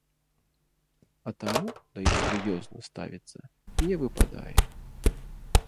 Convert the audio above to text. А таму да іх і сур'ёзна ставіцца не выпадае.